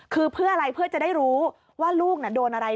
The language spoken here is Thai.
คือเพื่ออะไรเพื่อจะได้รู้ว่าลูกโดนอะไร